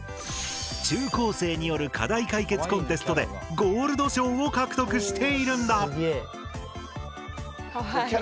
中高生による課題解決コンテストでＧｏｌｄ賞を獲得しているんだ。